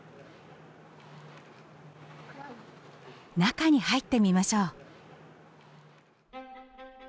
中に入ってみましょう。